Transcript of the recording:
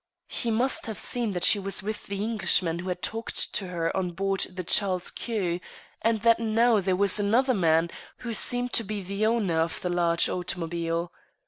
He must have seen that she was with the Englishman who had talked to her on board the Charles Quex, and that now there was another man, who seemed to be the owner of the large automobile.